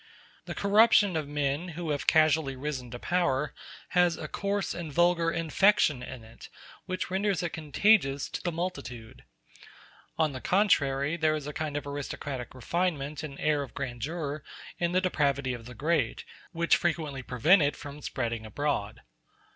The corruption of men who have casually risen to power has a coarse and vulgar infection in it which renders it contagious to the multitude. On the contrary, there is a kind of aristocratic refinement and an air of grandeur in the depravity of the great, which frequently prevent it from spreading abroad.